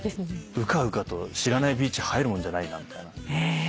うかうかと知らないビーチ入るもんじゃないなみたいな。